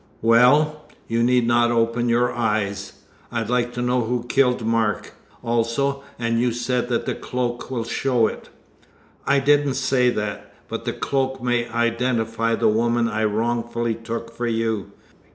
Well, you need not open your eyes. I'd like to know who killed Mark, also; and you say that cloak will show it?" "I didn't say that; but the cloak may identify the woman I wrongfully took for you.